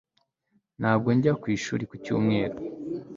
Ntabwo njya ku ishuri ku cyumweru